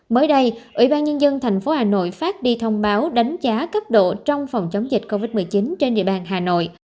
mới đây ủy ban nhân dân tp hà nội phát đi thông báo đánh giá cấp độ trong phòng chống dịch covid một mươi chín trên địa bàn hà nội